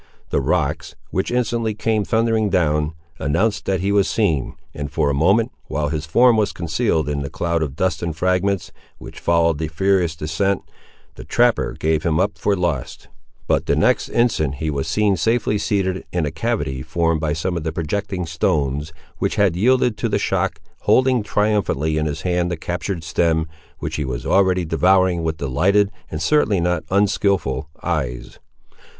The rocks, which instantly came thundering down, announced that he was seen; and for a moment, while his form was concealed in the cloud of dust and fragments which followed the furious descent, the trapper gave him up for lost; but the next instant he was seen safely seated in a cavity formed by some of the projecting stones which had yielded to the shock, holding triumphantly in his hand the captured stem, which he was already devouring with delighted, and certainly not unskilful, eyes.